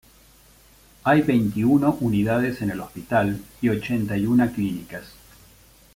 Hay veintiuno unidades en el hospital y ochenta y una clínicas.